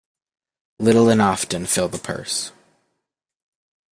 Little and often fill the purse.